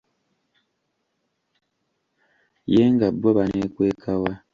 Ye nga bbo baneekweka wa?